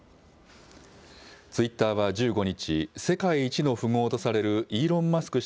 ツイッターは１５日、世界一の富豪とされるイーロン・マスク